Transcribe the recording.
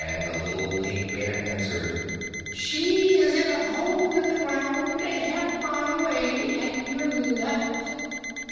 And the little Pink Bear answered, "She is in a hole in the ground a half mile away at your left."